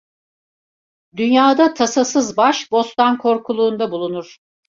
Dünyada tasasız baş bostan korkuluğunda bulunur.